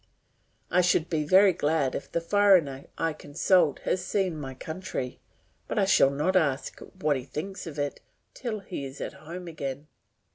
I should be very glad if the foreigner I consult has seen my country, but I shall not ask what he thinks of it till he is at home again.